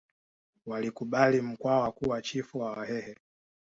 walikubali Mkwawa kuwa chifu wa wahehe